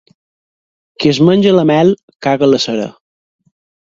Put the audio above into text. Qui es menja la mel, caga la cera.